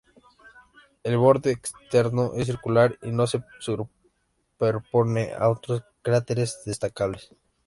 El borde externo es circular y no se superpone a otros cráteres destacables.